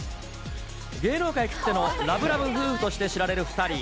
芸能界きってのラブラブ夫婦として知られる２人。